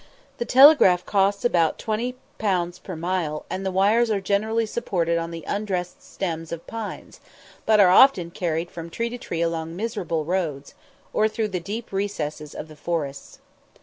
The telegraph costs about 20_l._ per mile, and the wires are generally supported on the undressed stems of pines, but are often carried from tree to tree along miserable roads, or through the deep recesses of the forests.